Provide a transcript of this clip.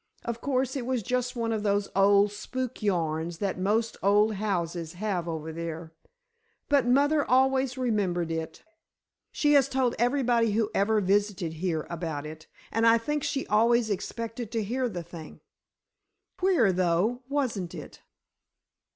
Of course, it was just one of those old spook yarns that most old houses have over there. But mother always remembered it. She has told everybody who ever visited here about it, and I think she always expected to hear the thing. Queer, though, wasn't it?"